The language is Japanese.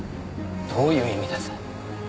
どういう意味です？